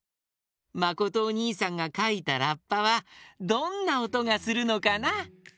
まことおにいさんがかいたラッパはどんなおとがするのかな？